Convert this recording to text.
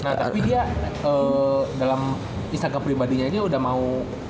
nah tapi dia dalam instagram pribadinya ini udah mau